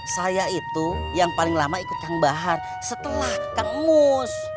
saya itu yang paling lama ikut kang bahar setelah kang mus